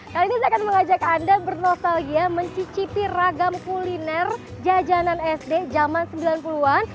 kali ini saya akan mengajak anda bernostalgia mencicipi ragam kuliner jajanan sd zaman sembilan puluh an